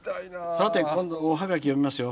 さて今度おハガキ読みますよ。